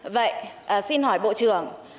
vậy xin hỏi bộ trưởng